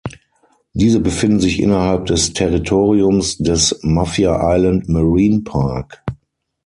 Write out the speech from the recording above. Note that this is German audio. Diese befinden sich innerhalb des Territoriums des Mafia Island Marine Park.